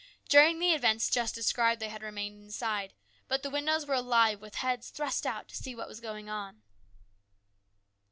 During the events just described they had remained inside, but the windows were alive with heads thrust out to see what was going on.